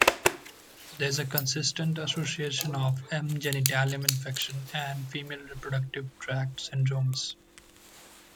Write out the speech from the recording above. There is a consistent association of M. genitalium infection and female reproductive tract syndromes.